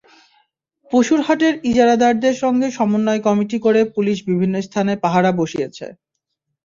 পশুর হাটের ইজারাদারদের সঙ্গে সমন্বয় কমিটি করে পুলিশ বিভিন্ন স্থানে পাহারা বসিয়েছে।